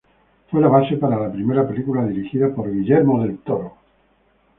Fue la base para la primera película, dirigida por Guillermo del Toro.